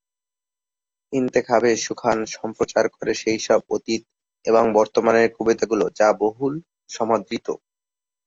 ইনতেখাবে-এ-সুখান সম্প্রচার করে সেইসব অতীত এবং বর্তমানের কবিতাগুলো যা বহুল সমাদৃত।